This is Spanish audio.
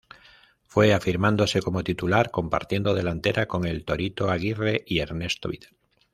Fue afirmándose como titular, compartiendo delantera con el "Torito" Aguirre y Ernesto Vidal.